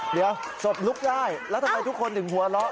เดี๋ยวศพลุกได้แล้วทำไมทุกคนถึงหัวเราะ